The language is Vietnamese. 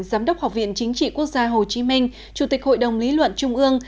giám đốc học viện chính trị quốc gia hồ chí minh chủ tịch hội đồng lý luận trung ương